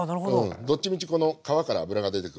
どっちみちこの皮から脂が出てくるんで。